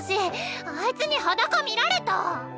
あいつに裸見られた！